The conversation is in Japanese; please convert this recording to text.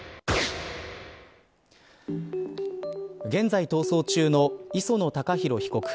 現在逃走中の磯野貴博被告。